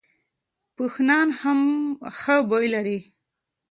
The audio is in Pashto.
پوخ نان ښه بوی لري